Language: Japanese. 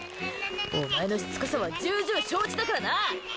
お前のしつこさは重々承知だからな。